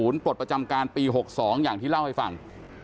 ปลดประจำการปี๖๒อย่างที่เล่าให้ฟัง